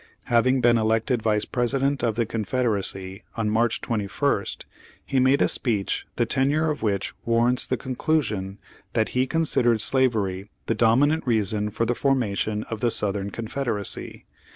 Having been elected Vice President of the Confederacy, on March 21st, he made a speech the tenure of which warrants the conclusion that he considered slavery the dominant reason for the formation of the Southern Confederacy.